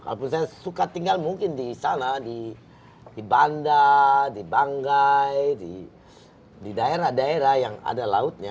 kalaupun saya suka tinggal mungkin di sana di banda di banggai di daerah daerah yang ada lautnya